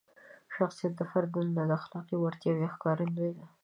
شخصیت د فرد دننه د اخلاقي وړتیاوو یوه ښکارندویي ده.